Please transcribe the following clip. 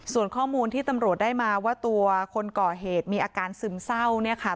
ส่วนข้อมูลที่ตำรวจได้มาว่าตัวคนก่อเหตุมีอาการซึมเศร้า